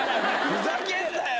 ふざけんなよ！